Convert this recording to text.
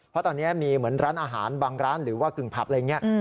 เพราะตอนนี้มีเหมือนร้านอาหารบางร้านหรือว่ากึ่งผับอะไรอย่างนี้